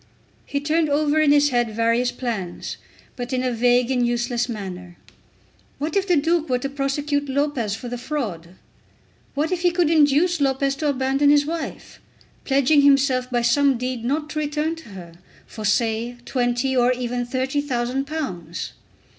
He turned over in his head various plans, but in a vague and useless manner. What if the Duke were to prosecute Lopez for the fraud! What if he could induce Lopez to abandon his wife, pledging himself by some deed not to return to her, for, say, twenty or even thirty thousand pounds!